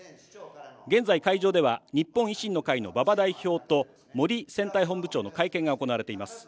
現在、会場では、日本維新の会の馬場代表ともり選対本部長の会見が行われています。